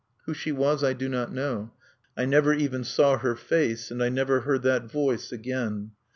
Who she was I do not know: I never even saw her face; and I never heard that voice again.